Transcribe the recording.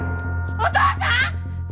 お父さん！